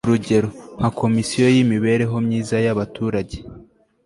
urugero nka komisiyo y'imibereho myiza y'abaturage